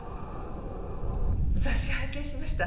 雑誌拝見しました。